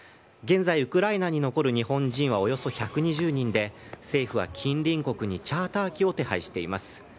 現在、ウクライナに残る日本人はおよそ１２０人で政府は近隣国にチャーター機を手配しています。